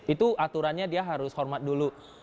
itu aturannya dia harus hormat dulu